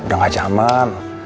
udah gak zaman